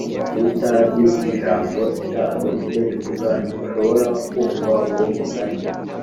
utazi ijambo “indaro” icyo rivuga ntushobora kumva uwo mugani